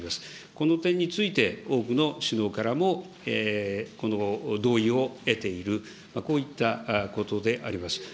この点について、多くの首脳からもこの同意を得ている、こういったことであります。